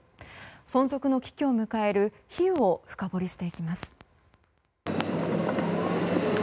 存続の危機を迎える日を深掘りしていきます。